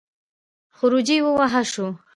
خروجی ووهه شو.